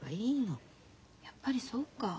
やっぱりそうか。